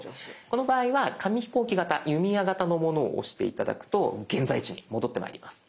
この場合は紙飛行機型弓矢型のものを押して頂くと現在地に戻ってまいります。